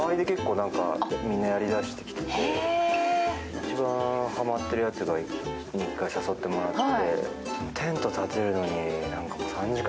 一番ハマってるやつに一回誘ってもらって。